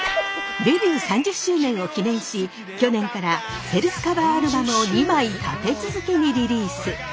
デビュー３０周年を記念し去年からセルフカバーアルバムを２枚立て続けにリリース。